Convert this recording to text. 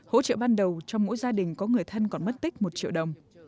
hỗ trợ ban đầu cho mỗi gia đình có người thân còn mất tích một triệu đồng